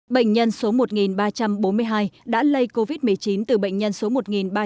bệnh nhân số một ba trăm bốn mươi hai đã lây covid một mươi chín từ bệnh nhân số một ba trăm hai mươi năm